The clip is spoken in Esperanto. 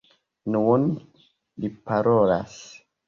Nun li parolas.